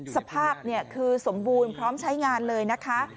สภาพคือสมบูรณ์พร้อมใช้งานเลยนะคะ